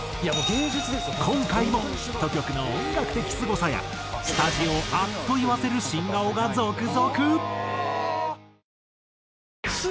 今回もヒット曲の音楽的すごさやスタジオをあっと言わせる新顔が続々！